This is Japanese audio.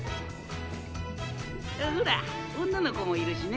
ほら女の子もいるしね。